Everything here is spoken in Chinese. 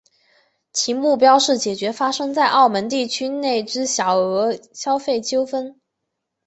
其目标是解决发生在澳门地区内之小额消费纠纷。